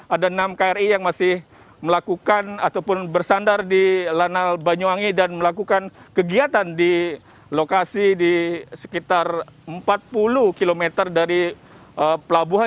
ada enam kri yang masih melakukan ataupun bersandar di lanal banyuwangi dan melakukan kegiatan di lokasi di sekitar empat puluh km dari pelabuhan